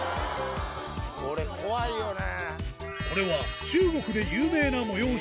これ怖いよね。